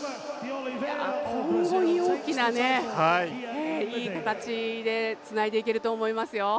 今後に大きなね、いい形でつないでいけると思いますよ。